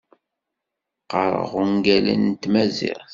Qqareɣ ungalen n tmaziɣt.